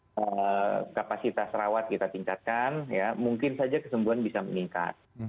kalau kapasitas rawat kita tingkatkan ya mungkin saja kesembuhan bisa meningkat